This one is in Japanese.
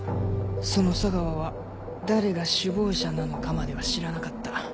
その佐川は誰が首謀者なのかまでは知らなかった。